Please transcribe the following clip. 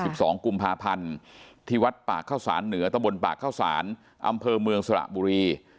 สองกุมภาพันธ์ที่วัดปากเข้าสารเหนือตะบนปากเข้าสารอำเภอเมืองสระบุรี